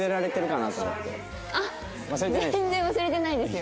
あっ全然忘れてないですよ。